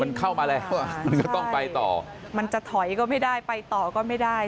มันเข้ามาแล้วอ่ะมันจะต้องไปต่อมันจะถอยก็ไม่ได้ไปต่อก็ไม่ได้